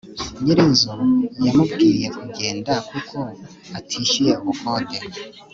nyir'inzu yamubwiye kugenda kuko atishyuye ubukode